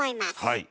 はい。